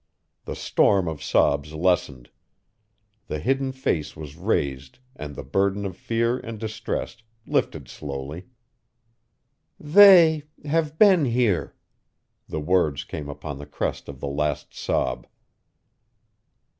The storm of sobs lessened. The hidden face was raised and the burden of fear and distress lifted slowly. "They have been here!" The words came upon the crest of the last sob.